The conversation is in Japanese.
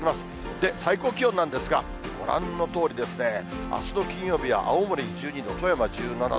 で、最高気温なんですが、ご覧のとおりですね、あすの金曜日は青森で１２度、富山１７度。